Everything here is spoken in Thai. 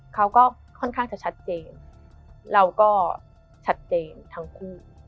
เขาก็ค่อนข้างจะชัดเจนเราก็ชัดเจนทั้งคู่